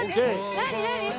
何？